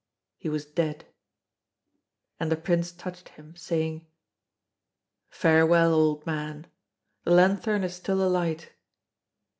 He was dead. And the Prince touched him, saying: "Farewell, old man! The lanthorn is still alight.